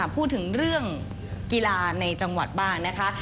พูดถึงเรื่องกีฬาในจังหวัดบ้างนะคะ